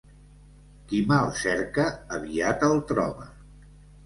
Qui mal cerca, aviat el troba.